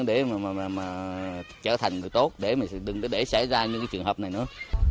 để mà trở thành người tốt để xảy ra những trường hợp này nữa